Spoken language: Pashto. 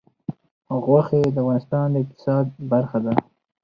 غوښې د افغانستان د اقتصاد برخه ده.